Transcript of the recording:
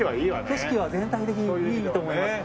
景色は全体的にいいと思います。